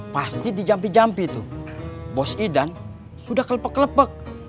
pasti dijampi jampi tuh bos idan sudah kelepek kelepek